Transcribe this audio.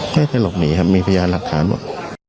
แค่ได้หลอกหนีครับมีพยายามหลักฐานบอก